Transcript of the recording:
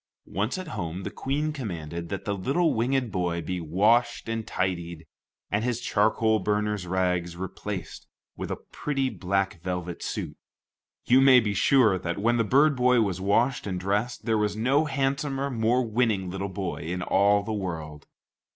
Once at home, the Queen commanded that the little winged boy be washed and tidied, and his charcoal burner's rags replaced with a pretty black velvet suit. You may be sure that, when the bird boy was washed and dressed, there was no handsomer, more winning little boy in all the world.